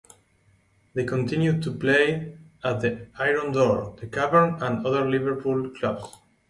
They continued to play at the Iron Door, The Cavern, and other Liverpool clubs.